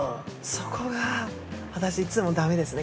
◆そこが私、いつもだめですね。